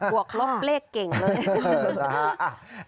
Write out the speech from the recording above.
วกลบเลขเก่งเลย